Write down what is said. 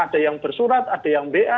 ada yang bersurat ada yang ba